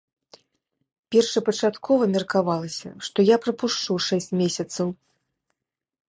Першапачаткова меркавалася, што я прапушчу шэсць месяцаў.